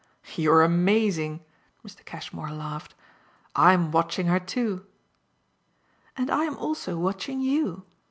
"You're amazing!" Mr. Cashmore laughed. "I'm watching her too." "And I'm also watching YOU!"